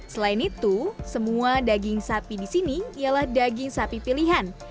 selain itu semua daging sapi di sini ialah daging sapi pilihan